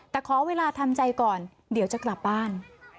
แต่ขอเวลาทำใจก่อนเดี๋ยวจะกลับบ้าน